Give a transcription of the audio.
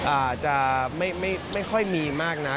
อาจจะไม่ค่อยมีมากนะ